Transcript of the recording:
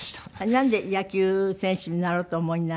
なんで野球選手になろうとお思いにならなかったの？